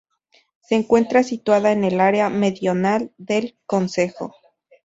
Se encuentra situada en el área meridional del concejo.